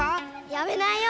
やめないよ。